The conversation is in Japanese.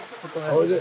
おいで。